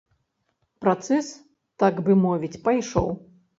Працэс так бы мовіць пайшоў.